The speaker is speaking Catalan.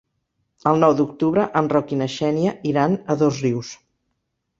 El nou d'octubre en Roc i na Xènia iran a Dosrius.